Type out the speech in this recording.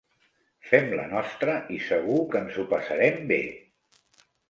Fem la nostra i segur que ens ho passarem bé.